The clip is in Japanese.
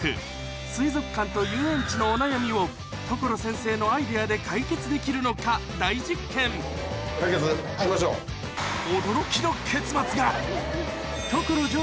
水族館と遊園地のお悩みを所先生のアイデアで解決できるのか大実験こんばんは！